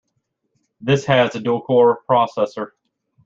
This has a dual-core processor.